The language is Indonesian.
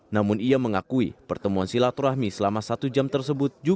namun ia mengakui pertemuan silaturahmi selama satu jam tersebut